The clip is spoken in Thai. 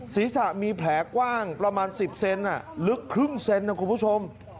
ศีรษะมีแผลกว้างประมาณ๑๐เซนติเมตรลึกครึ่งเซนติเมตรนะครับคุณผู้ชม